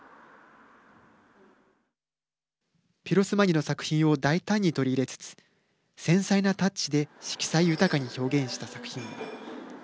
ピロスマニの作品を大胆に取り入れつつ繊細なタッチで色彩豊かに表現した作品。